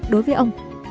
đối với ông